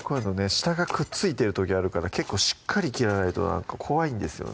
下がくっついてる時あるから結構しっかり切らないとなんか怖いんですよね